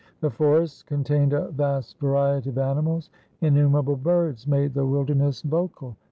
The forests contained a vast variety of animals. Innumerable birds made the wilderness vocal.